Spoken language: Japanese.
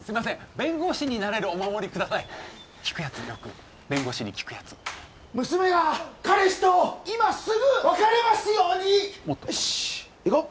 弁護士になれるお守りください効くやつよく弁護士に効くやつ娘が彼氏と今すぐ別れますようによし行こう！